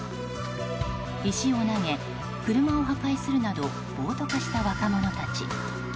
石を投げ、車を破壊するなど暴徒化した若者たち。